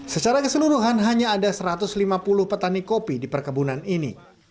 secara keseluruhan hanya ada satu ratus lima puluh petani kopi di perkebunan ini